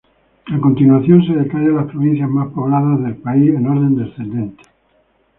A continuación se detalla las provincias más pobladas del país, en orden descendente.